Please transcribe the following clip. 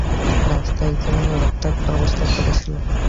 রাস্তায় একজন রক্তাক্ত অবস্থায় পড়ে ছিলো।